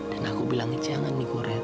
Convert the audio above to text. dan aku bilang jangan nih koret